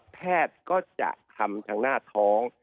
แพทย์ก็จะทำทางหน้าท้อง